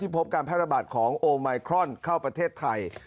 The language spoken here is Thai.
พบการแพร่ระบาดของโอไมครอนเข้าประเทศไทย